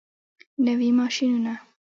نوي ماشینونه.